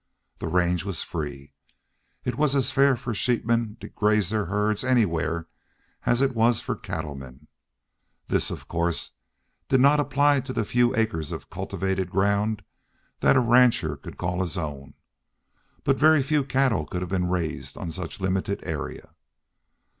The range was free. It was as fair for sheepmen to graze their herds anywhere as it was for cattlemen. This of course did not apply to the few acres of cultivated ground that a rancher could call his own; but very few cattle could have been raised on such limited area.